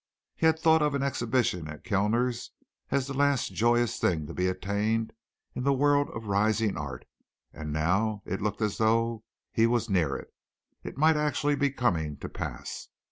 He had thought of an exhibition at Kellner's as the last joyous thing to be attained in the world of rising art and now it looked as though he was near it. It might actually be coming to pass.